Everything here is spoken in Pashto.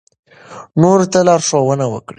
نورو ته لارښوونه وکړئ.